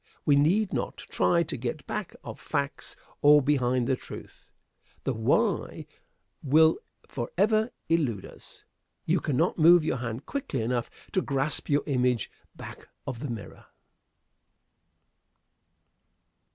We need not try to get back of facts or behind the truth. The why will forever elude us. You cannot move your hand quickly enough to grasp your image back of the mirror.